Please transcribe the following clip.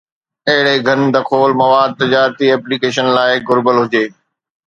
اهڙي گھڻ-دخول مواد تجارتي ايپليڪيشنن لاء گهربل هجي